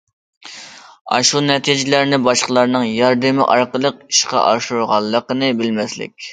ئاشۇ نەتىجىلەرنى باشقىلارنىڭ ياردىمى ئارقىلىق ئىشقا ئاشۇرغانلىقىنى بىلمەسلىك.